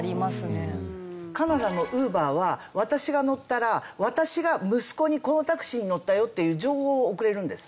カナダのＵｂｅｒは私が乗ったら私が息子にこのタクシーに乗ったよっていう情報を送れるんです。